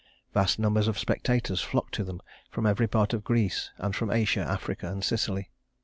Vast numbers of spectators flocked to them from every part of Greece and from Asia, Africa, and Sicily.